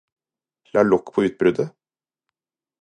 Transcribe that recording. La lokk på utbruddet?